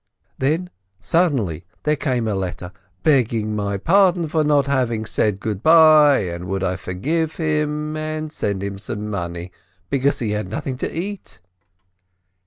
Then, suddenly, there came a letter, begging my pardon for not having said good by, and would I forgive him, and send him some 96 SPEKTOE money, because he had nothing to eat.